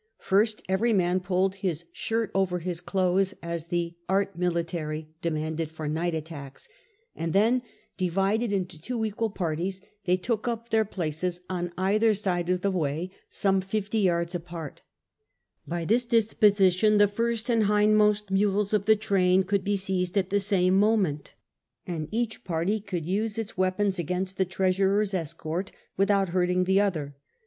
First every man pulled his shirt over his clothes as the art military demanded for night attacks ; and then, divided into two equal parties, they took up their places on either side of the way, some fifty yards apart By this disposition the first and hindmost mules of the train could be seized at the same moment, and each party could use its weapons against the Treasurer's escort without hurting the other.